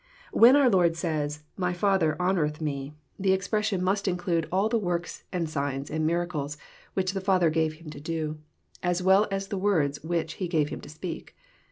When our Lord says, <* My Father honoureth Me," the ex ISO EZPOsrroBT thoughts* presslon mnst Inclade all the works, and signs, and miracles, which the Father gave Him to do ; as well as the words which Ue gave Him to speak.